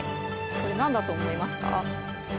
これ何だと思いますか？